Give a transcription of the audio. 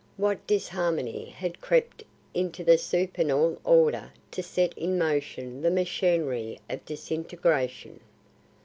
What disharmony had crept into that supernal order to set in motion the machinery of disintegration?